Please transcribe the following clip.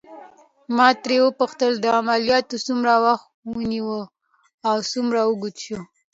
ما ترې وپوښتل: عملياتو څومره وخت ونیو او څومره اوږد شول؟